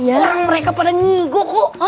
orang mereka pada nyigo kok